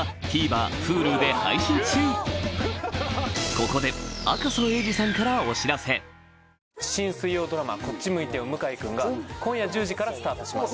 ここで新水曜ドラマ『こっち向いてよ向井くん』が今夜１０時からスタートします。